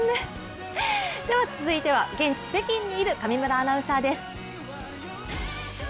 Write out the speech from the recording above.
続いては現地、北京にいる上村アナウンサーです。